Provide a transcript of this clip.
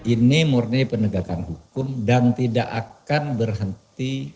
ini murni penegakan hukum dan tidak akan berhenti